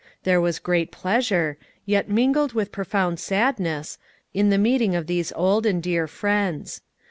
There was great pleasure, yet mingled with profound sadness, in the meeting of these old and dear friends.